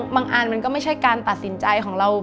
อันมันก็ไม่ใช่การตัดสินใจของเรา